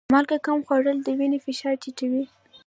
مالګه کم خوړل د وینې فشار ټیټوي.